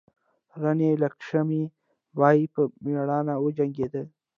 راني لکشمي بای په میړانه وجنګیده.